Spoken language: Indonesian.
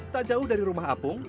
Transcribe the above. tak jauh dari rumah apung